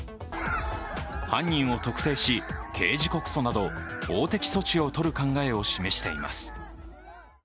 犯人を特定し、刑事告訴など法的措置をとる考を示しています。